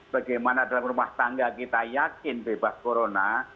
bagaimana dalam rumah tangga kita yakin bebas corona